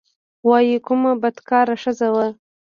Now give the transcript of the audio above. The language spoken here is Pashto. وايي کومه بدکاره ښځه وه.